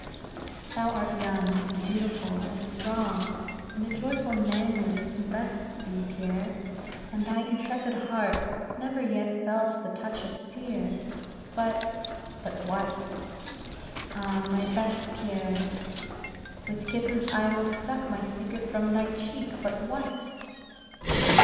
"Thou art young, and beautiful, and strong; and a joyful manliness invests thee, Pierre; and thy intrepid heart never yet felt the touch of fear; But " "But what?" "Ah, my best Pierre!" "With kisses I will suck thy secret from thy cheek! but what?"